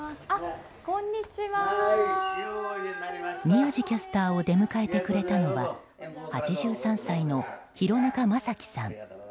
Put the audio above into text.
宮司キャスターを出迎えてくれたのは８３歳の廣中正樹さん。